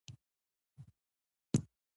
مور ته به ووایم چې د هیلو نجلۍ مې پیدا کړه